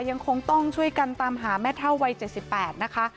ยังคงต้องช่วยกันตามหาแม่เท่าวัย๗๘นะคะ